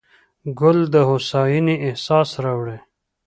ګل د هوساینې احساس راوړي.